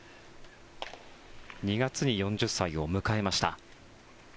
２月に４０歳を迎えました。